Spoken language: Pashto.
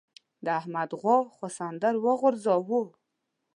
د احمد غوا سخوندر وغورځاوو.